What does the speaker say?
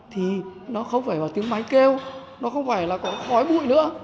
thì nó không phải vào tiếng máy kêu nó không phải là có khói bụi nữa